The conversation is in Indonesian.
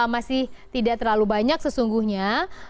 masih tidak terlalu banyak sesungguhnya